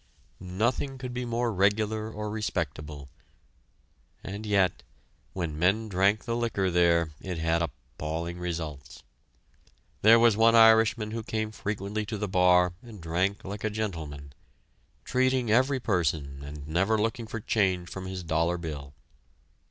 Nothing could be more regular or respectable, and yet, when men drank the liquor there it had appalling results. There was one Irishman who came frequently to the bar and drank like a gentleman, treating every person and never looking for change from his dollar bill.